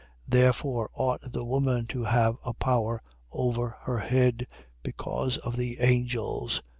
11:10. Therefore ought the woman to have a power over her head, because of the angels.